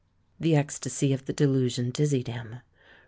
The ecstasy of the delusion dizzied him.